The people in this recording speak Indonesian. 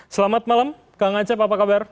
selamat malam kang acep apa kabar